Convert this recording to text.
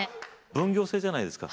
分業制じゃないですか。